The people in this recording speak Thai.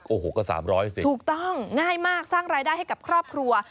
โอ้โหก็๓๐๐สิถูกต้องง่ายมากสร้างรายได้ให้กับครอบครัว